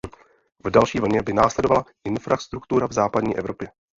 V další vlně by následovala infrastruktura v Západní Evropě.